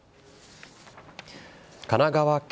神奈川県